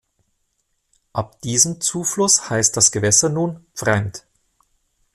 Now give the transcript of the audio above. Ab diesem Zufluss heißt das Gewässer nun "Pfreimd".